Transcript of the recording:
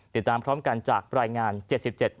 ติดตามพร้อมกันจากรายงาน๗๗บริษัทบาทครับ